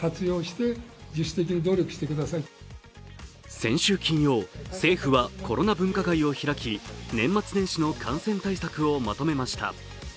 先週金曜、政府はコロナ分科会を開き、年末年始の感染対策をまとめました。